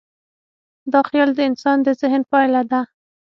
دا خیال د انسان د ذهن پایله ده.